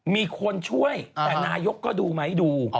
มีคนช่วยแต่นายกก็ดูไหมดู